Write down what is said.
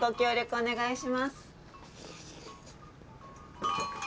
はい。